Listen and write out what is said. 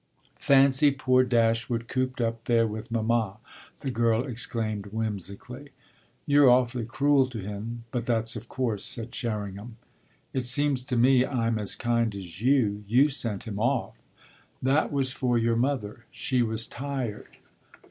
"Fancy poor Dashwood cooped up there with mamma!" the girl exclaimed whimsically. "You're awfully cruel to him; but that's of course," said Sherringham. "It seems to me I'm as kind as you; you sent him off." "That was for your mother; she was tired."